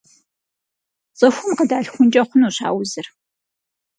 ЦӀыхум къыдалъхункӀэ хъунущ а узыр.